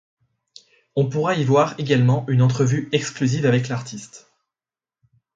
On pourra y voir également une entrevue exclusive avec l'artiste.